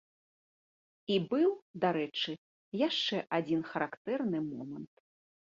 І быў, дарэчы, яшчэ адзін характэрны момант.